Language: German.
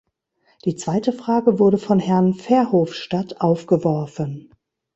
Die zweite Frage wurde von Herrn Verhofstadt aufgeworfen.